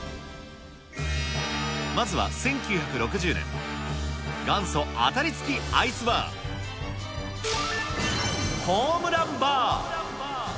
まずは１９６０年、元祖当たり付きアイスバー、ホームランバー。